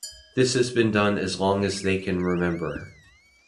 This has been done as long as they can remember.